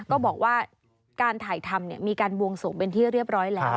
ก็บอกว่าการถ่ายทำมีการบวงสวงเป็นที่เรียบร้อยแล้ว